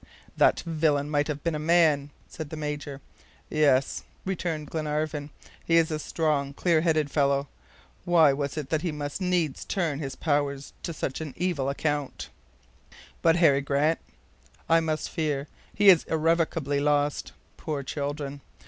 "That villain might have been a man," said the Major. "Yes," returned Glenarvan; "he is a strong, clear headed fellow. Why was it that he must needs turn his powers to such evil account?" "But Harry Grant?" "I must fear he is irrevocably lost. Poor children!